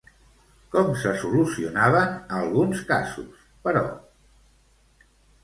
Com se solucionaven alguns casos, però?